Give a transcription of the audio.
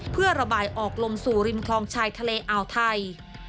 เพื่อระบายออกลมสู่ริมคลองชายทะเลอ่าวไทย